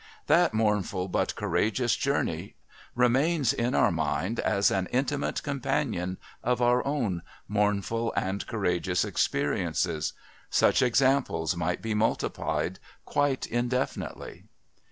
That mournful but courageous journey remains in our mind as an intimate companion of our own mournful and courageous experiences. Such examples might be multiplied quite indefinitely.